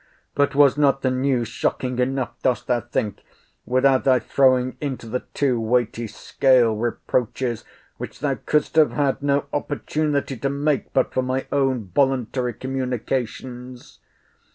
—But was not the news shocking enough, dost thou think, without thy throwing into the too weighty scale reproaches, which thou couldst have had no opportunity to make but for my own voluntary communications?